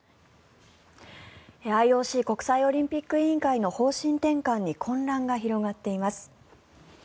ＩＯＣ・国際オリンピック委員会の方針転換に混乱が広がっています。